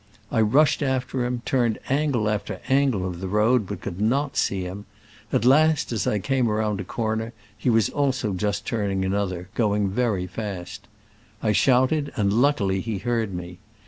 I rushed after him, turned angle after angle of the road, but could not see him : at last, as I came round a corner, he was also just turning another, going very fast. I shouted, and luckily he heard me.